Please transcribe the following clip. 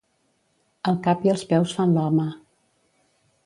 El cap i els peus fan l'home.